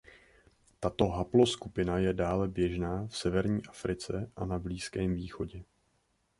Tato haploskupina je dále běžná v Severní Africe a na Blízkém Východě.